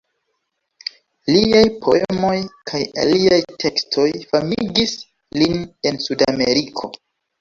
Liaj poemoj kaj aliaj tekstoj famigis lin en Sudameriko.